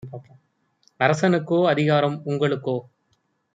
அரசனுக்கோ அதிகாரம் உங்க ளுக்கோ?